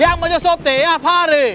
yang menyusup tiap hari